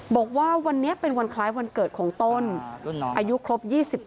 บอกว่าวันนี้เป็นวันคล้ายวันเกิดของต้นอายุครบ๒๗